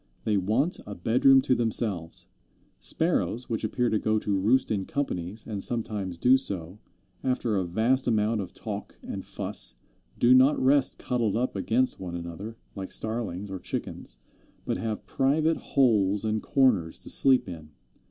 They want a bedroom to themselves. Sparrows, which appear to go to roost in companies, and sometimes do so, after a vast amount of talk and fuss, do not rest cuddled up against one another, like Starlings or Chickens, but have private holes and corners to sleep in.